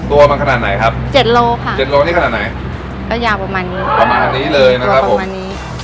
ตัวมันขนาดไหนครับ๗โลค่ะ๗โลนี่ขนาดไหนก็ยาวประมาณนี้ประมาณนี้เลยนะครับผม